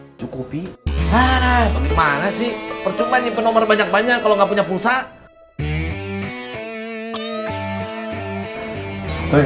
hai cukupi mana sih percobaan nyimpen nomor banyak banyak kalau nggak punya pulsa